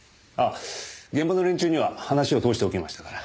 現場の連中には話を通しておきましたから。